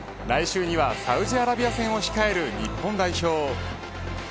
来週にはサウジアラビア戦を控える日本代表。